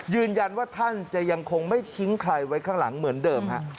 ท่านจะยังคงไม่ทิ้งใครไว้ข้างหลังเหมือนเดิมฮะ